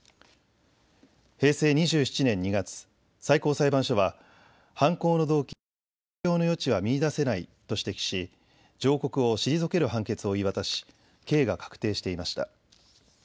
平成２７年２月、最高裁判所は犯行の動機に酌量の余地は見いだせないと指摘し上告を退ける判決を言い渡し刑が確定していました。